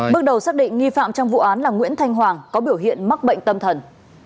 bước đầu xác định nghi phạm trong vụ án là nguyễn thanh hoàng có biểu hiện mắc bệnh tâm thần